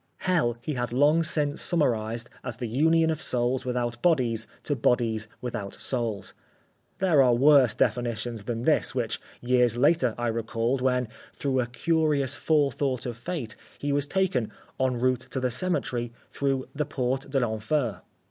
Hell he had long since summarised as the union of souls without bodies to bodies without souls. There are worse definitions than this which years later I recalled when, through a curious forethought of fate, he was taken, en route to the cemetery, through the Porte de l'Enfer.